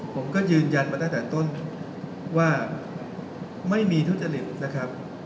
ผมก็ยืนยันมาตั้งแต่ต้นว่าไม่มีทุจริตนะครับ